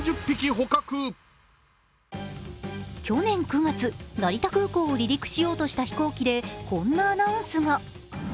去年９月、成田空港を離陸しようとした飛行機でこんなアナウンスが。